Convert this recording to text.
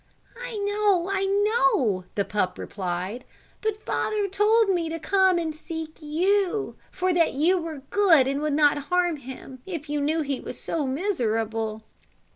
"I know, I know," the pup replied; "but father told me to come and seek you, for that you were good, and would not harm him, if you knew he was so miserable."